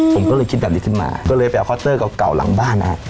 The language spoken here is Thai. ผมก็เลยคิดแบบนี้ขึ้นมาก็เลยไปเอาคัตเตอร์เก่าหลังบ้านนะฮะ